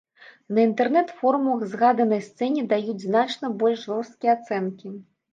На інтэрнэт-форумах згаданай сцэне даюць значна больш жорсткія ацэнкі.